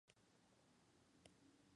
Entonces huyó a Nóvgorod y pidió la paz.